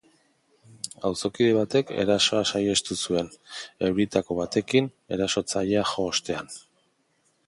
Auzokide batek erasoa saihestu zuen, euritako batekin erasotzailea jo ostean.